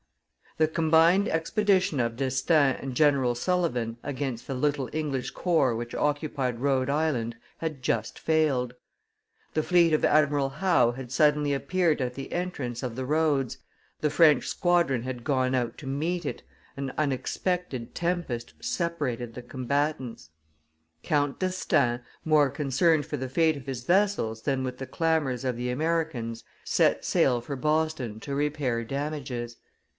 The combined expedition of D'Estaing and General Sullivan against the little English corps which occupied Rhode Island had just failed; the fleet of Admiral Howe had suddenly appeared at the entrance of the roads, the French squadron had gone out to meet it, an unexpected tempest separated the combatants; Count d'Estaing, more concerned for the fate of his vessels than with the clamors of the Americans, set sail for Boston to repair damages.